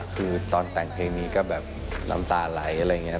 คือตอนแต่งเพลงนี้ก็แบบน้ำตาไหลอะไรอย่างนี้